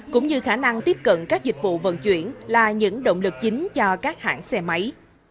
cũng như khả năng tiếp cận các dịch vụ vận chuyển là những động lực chính cho các hãng xe máy